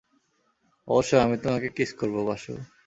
অবশ্যই, আমি তোমাকে কিস করবো, বাসু।